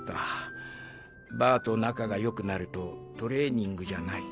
バアと仲が良くなるとトレーニングじゃない。